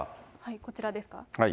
こちらですか。